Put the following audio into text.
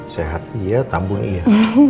sehat iya tambun iya